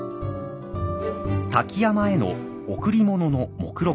瀧山への贈り物の目録です。